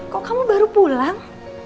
kok kamu baru pulang